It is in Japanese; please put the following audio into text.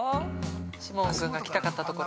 士門君が来たかったところ。